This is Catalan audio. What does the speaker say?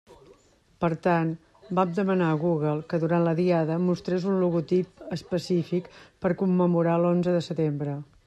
Per tant, vam demanar a Google que durant la Diada mostrés un logotip específic per commemorar l'onze de setembre.